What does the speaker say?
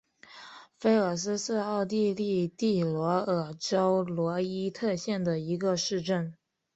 菲尔斯是奥地利蒂罗尔州罗伊特县的一个市镇。